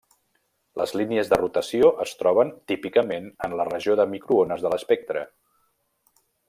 Les línies de rotació es troben típicament en la regió de microones de l'espectre.